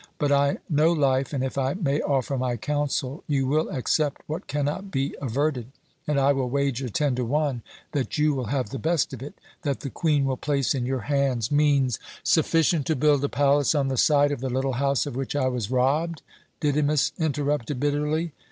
But I know life, and if I may offer my counsel, you will accept what cannot be averted, and I will wager ten to one that you will have the best of it; that the Queen will place in your hands means " "Sufficient to build a palace on the site of the little house of which I was robbed," Didymus interrupted bitterly.